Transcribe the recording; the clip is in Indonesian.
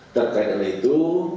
terkait dengan itu